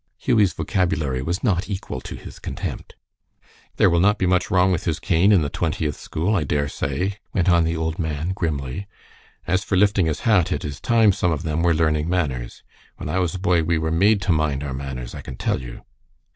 Hughie's vocabulary was not equal to his contempt. "There will not be much wrong with his cane in the Twentieth School, I dare say," went on the old man, grimly. "As for lifting his hat, it is time some of them were learning manners. When I was a boy we were made to mind our manners, I can tell you."